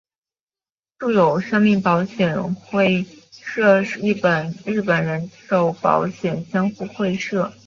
住友生命保险相互会社是一家日本人寿保险相互会社。